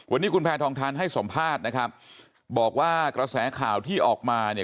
วันนี้คุณแพทองทันให้สัมภาษณ์นะครับบอกว่ากระแสข่าวที่ออกมาเนี่ย